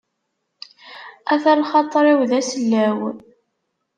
Ata lxaṭer-iw d asellaw.